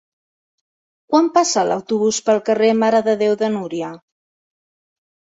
Quan passa l'autobús pel carrer Mare de Déu de Núria?